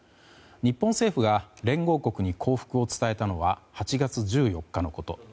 日本政府が連合国に降伏を伝えたのは８月１４日のこと。